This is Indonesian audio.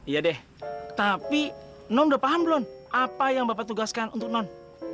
ya deh tapi non udah paham belum apa yang bapak tugaskan untuk non